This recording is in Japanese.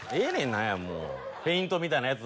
何やもうフェイントみたいなやつ